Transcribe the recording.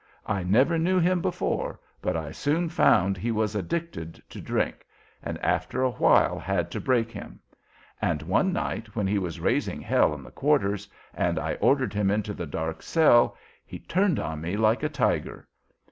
I never knew him before, but I soon found he was addicted to drink, and after a while had to 'break' him; and one night when he was raising hell in the quarters, and I ordered him into the dark cell, he turned on me like a tiger.